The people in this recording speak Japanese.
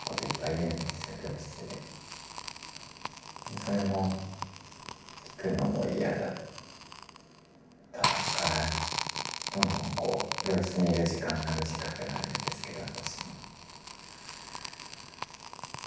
それも聞くのも嫌だったからどんどん病室にいる時間が短くなるんですけど私の。